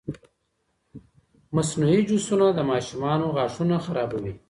مصنوعي جوسونه د ماشومانو غاښونه خرابوي.